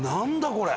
これ！